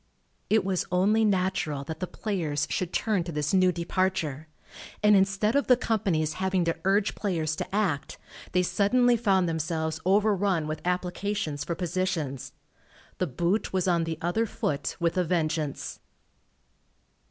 It was only natural that the players should turn to this new departure, and instead of the companies having to urge players to act, they suddenly found themselves overrun with applications for positions. The boot was on the other foot with a vengeance.